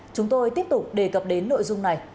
chúng tôi tiếp tục đề cập đến nội dung này